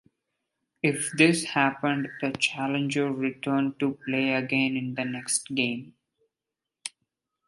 If this happened, the challenger returned to play again in the next game.